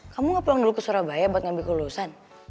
kamu gak pulang dulu ke surabaya buat ngambil kelulusan